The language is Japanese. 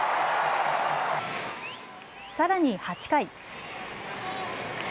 さらに８回。